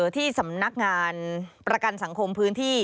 ที่สำนักงานประกันสังคมพื้นที่